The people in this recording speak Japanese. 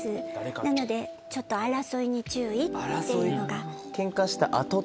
なので争いに注意っていうのが。